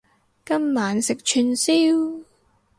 今晚食串燒